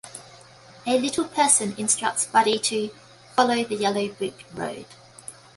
A little person instructs Buddy to "follow the yellow brick road".